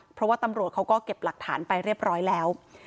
เพราะว่าตำรวจเขาก็เก็บหลักฐานไปเรียบร้อยแล้ว